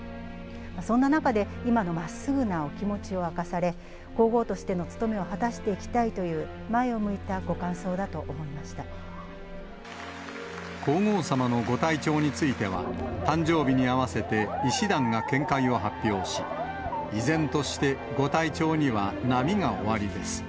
そんな中で、今のまっすぐなお気持ちを明かされ、皇后としての務めを果たしていきたいという前を向いたご感想だと皇后さまのご体調については、誕生日に合わせて医師団が見解を発表し、依然としてご体調には波がおありです。